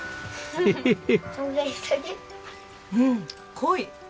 うん濃い！